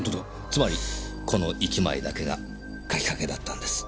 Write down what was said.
つまりこの１枚だけが描きかけだったんです。